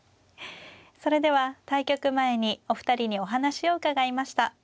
それでは対局前にお二人にお話を伺いました。